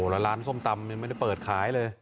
แล้วร้านส้มตำยังไม่ได้เปิดขายเลย